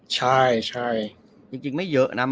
ใช่จริงไม่เยอะนะ